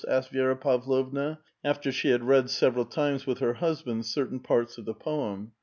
" asked Vi^ra Pavlovna, after she had read several times with her bnsband certain parts of the poem.